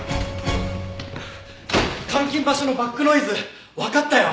監禁場所のバックノイズわかったよ！